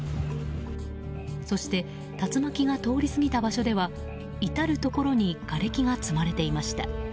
そして竜巻が通り過ぎた場所には至るところにがれきが積まれていました。